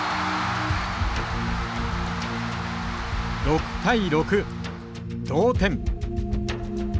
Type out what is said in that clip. ６対６同点。